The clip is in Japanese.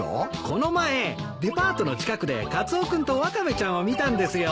この前デパートの近くでカツオ君とワカメちゃんを見たんですよ。